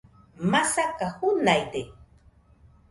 masaka junaide